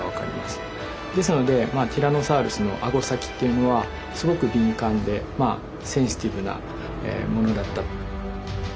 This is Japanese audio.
ですのでティラノサウルスのアゴ先というのはすごく敏感でセンシティブなものだった。